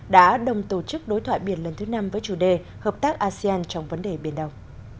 đã đồng tổ chức đối thoại biển lần thứ năm với chủ đề hợp tác asean trong vấn đề biển đông